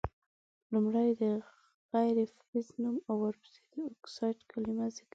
لومړی د غیر فلز نوم او ورپسي د اکسایډ کلمه ذکر کیږي.